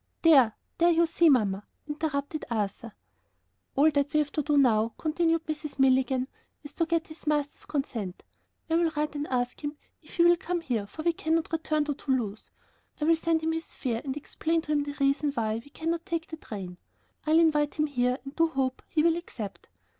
"There, there, you see, Mamma!" interrupted Arthur. "All that we have to do now," continued Mrs. Milligan, "is to get his master's consent. I will write and ask him if he will come here, for we cannot return to Toulouse. I will send him his fare, and explain to him the reason why we cannot take the train. I'll invite him here, and I do hope he will accept.